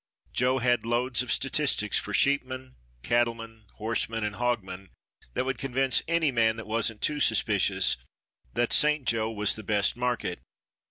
Joe had loads of statistics for sheepmen, cattlemen, horsemen and hogmen that would convince any man that wasn't too suspicious that St. Joe was the best market.